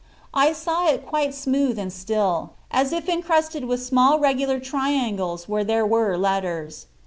I saw it quite smooth and still, as if encrusted with small regular tri angles where there were letters.